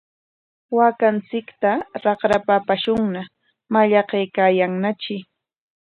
Waakanchikta raqrapa apashunña, mallaqnaykaayanñatri.